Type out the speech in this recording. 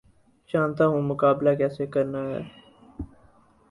جانتا ہوں مقابلہ کیسے کرنا ہے